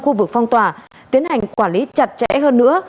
khu vực phong tỏa tiến hành quản lý chặt chẽ hơn nữa